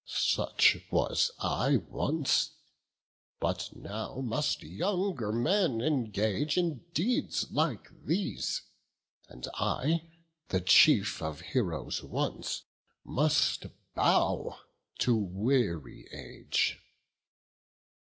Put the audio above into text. Such was I once; but now must younger men Engage in deeds like these; and I, the chief Of heroes once, must bow to weary age.